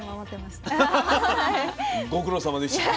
ご苦労さまでした。